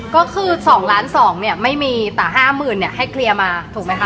ก็คือ๒ล้าน๒เนี่ยไม่มีแต่๕๐๐๐เนี่ยให้เคลียร์มาถูกไหมคะ